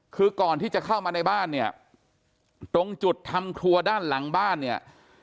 คือก่อนที่จะเข้ามาในบ้านเนี่ยตรงจุดทำครัวด้านหลังบ้านเนี่ย